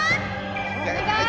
お願い！